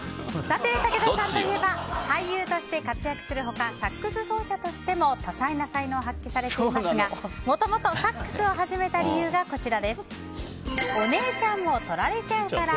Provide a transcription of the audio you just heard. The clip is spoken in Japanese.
武田さんといえば俳優として活躍する他サックス奏者としても多彩な才能を発揮されていますがもともとサックスを始めた理由がお姉ちゃんを取られちゃうから！